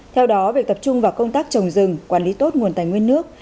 theo đó việc tập trung vào công tác trồng rừng quản lý tốt nguồn tài nguyên nước